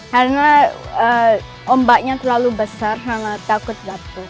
karena ombaknya terlalu besar karena takut dapet